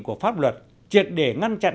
của pháp luật triệt để ngăn chặn